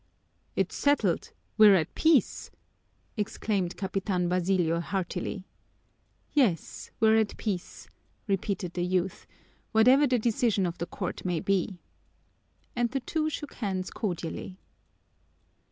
"It's settled, we're at peace!" exclaimed Capitan Basilio heartily. "Yes, we're at peace," repeated the youth, "whatever the decision of the court may be." And the two shook hands cordially.